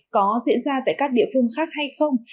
có diễn ra tại các địa phương khác hay không